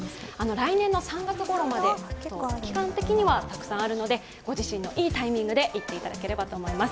来年の３月ごろまで期間的にはたくさんあるのでご自身のいいタイミングで行っていただければと思います。